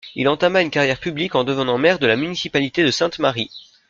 Il entama une carrière publique en devenant maire de la municipalité de Sainte-Marie.